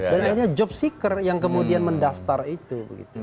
dan akhirnya job seeker yang kemudian mendaftar itu